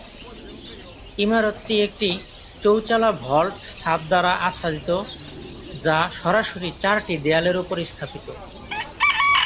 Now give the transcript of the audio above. ইমারতটি একটি ‘চৌচালা ভল্ট’ ছাদ দ্বারা আচ্ছাদিত, যা সরাসরি চারটি দেয়ালের উপর স্থাপিত।